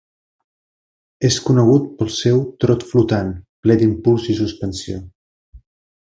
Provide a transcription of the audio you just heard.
És conegut pel seu "trot flotant" ple d'impuls i suspensió.